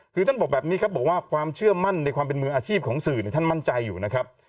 คือท่านบอกแบบนี้ครับบอกว่าความเชื่อมั่นในความเป็นมืออาชีพของสื่อท่านมั่นใจอยู่นะครับ